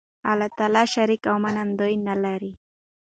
الله تعالی شریک او ماننده نه لری